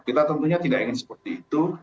kita tentunya tidak ingin seperti itu